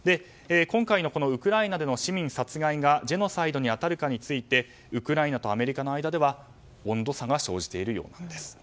今回のウクライナでの市民殺害がジェノサイドに当たるかについてウクライナとアメリカの間では温度差が生じているようなんです。